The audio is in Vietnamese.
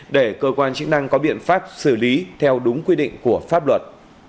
để cơ quan chức năng có biện pháp xử lý theo đúng quy định của pháp luật